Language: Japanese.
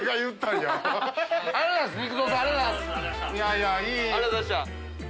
いやいやいい。